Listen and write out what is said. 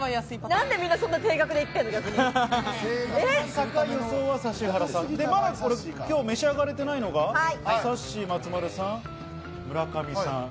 なんでみんな低額でいってんまだ今日、召し上がれてないのが、さっしー、松丸さん、村上さん。